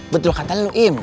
betul kata lo im